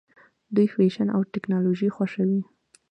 دوی فیشن او ټیکنالوژي خوښوي.